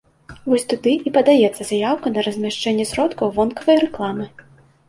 Вось туды і падаецца заяўка на размяшчэнне сродкаў вонкавай рэкламы.